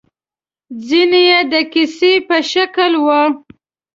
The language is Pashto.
ځينې يې د کيسې په شکل وو.